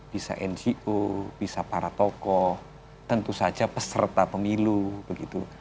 bisa ngo bisa para tokoh tentu saja peserta pemilu begitu